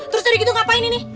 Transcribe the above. terus tadi gitu ngapain ini nih